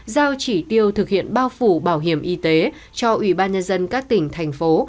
giao chỉ tiêu thực hiện bao phủ bảo hiểm y tế cho ủy ban nhân dân các tỉnh thành phố